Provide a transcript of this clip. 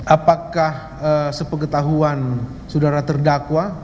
apakah sepegetahuan sudara terdakwa